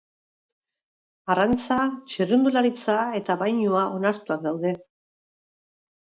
Arrantza, txirrindularitza eta bainua onartuak daude.